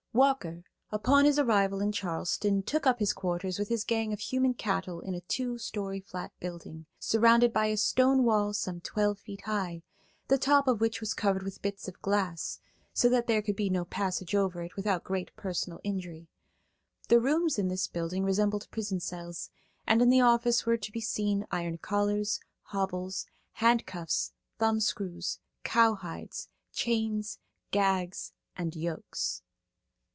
Walker, upon his arrival in Charleston, took up his quarters with his gang of human cattle in a two story flat building, surrounded by a stone wall some twelve feet high, the top of which was covered with bits of glass, so that there could be no passage over it without great personal injury. The rooms in this building resembled prison cells, and in the office were to be seen iron collars, hobbles, handcuffs, thumbscrews, cowhides, chains, gags and yokes.